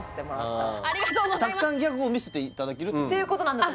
たくさんギャグを見せていただける？っていうことです